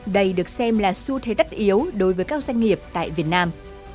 đây được xem là xu thế tất yếu đối với các doanh nghiệp tại việt nam